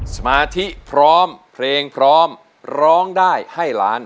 สมาธิพร้อมเพลงพร้อมร้องได้ให้ล้าน